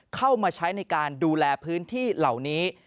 เข้ามาใช้ในการดูแลพื้นที่เหล่านี้